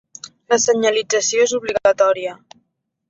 La senyalització és obligatòria.